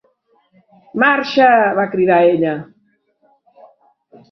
"Marxa!", va cridar ella.